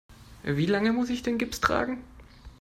Wie lange muss ich den Gips tragen?